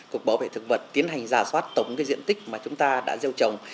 cục bảo vệ thực vật tiến hành giả soát tổng diện tích mà chúng ta đã gieo trồng